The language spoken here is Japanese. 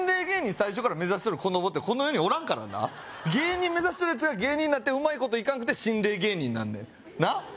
最初から目指してる子供ってこの世におらんからな芸人目指してるやつが芸人なってうまいこといかなくて心霊芸人になんねんなっ